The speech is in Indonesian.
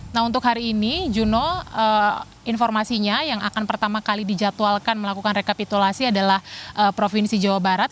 nah untuk hari ini juno informasinya yang akan pertama kali dijadwalkan melakukan rekapitulasi adalah provinsi jawa barat